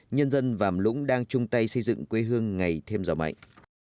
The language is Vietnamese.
nhân dân và ảm lũng đang chung tay xây dựng quê hương ngày thêm gió mạnh